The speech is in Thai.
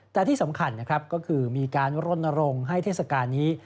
แต่ที่สำคัญก็คือมีการรนรงให้เทศกาลนี้